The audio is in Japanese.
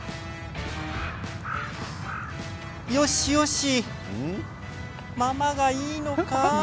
よしよしママがいいのか？